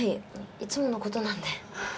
いつものことなんで。